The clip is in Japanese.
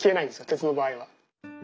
鉄の場合は。